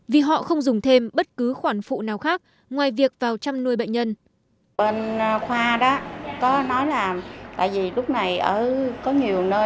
vì họ không dùng thêm bất cứ khoản phụ nào khác ngoài việc vào chăm nuôi bệnh nhân